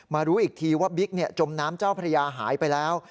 รู้อีกทีว่าบิ๊กจมน้ำเจ้าพระยาหายไปแล้ว